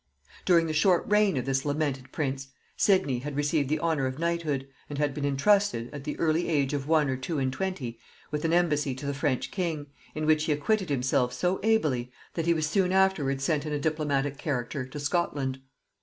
During the short reign of this lamented prince Sidney had received the honor of knighthood, and had been intrusted, at the early age of one or two and twenty, with an embassy to the French king, in which he acquitted himself so ably that he was soon afterwards sent in a diplomatic character to Scotland.